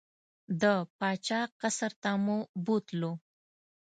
د پاچا قصر ته مو بوتلو.